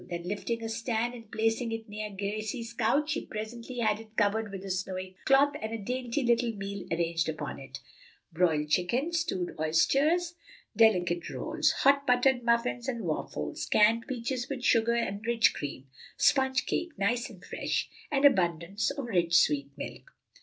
Then lifting a stand and placing it near Gracie's couch, she presently had it covered with a snowy cloth and a dainty little meal arranged upon it: broiled chicken, stewed oysters, delicate rolls, hot buttered muffins and waffles, canned peaches with sugar and rich cream, sponge cake, nice and fresh, and abundance of rich sweet milk.